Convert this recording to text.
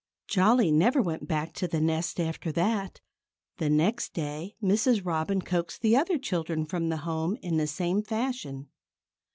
Jolly never went back to the nest after that. The next day Mrs. Robin coaxed the other children from home in the same fashion.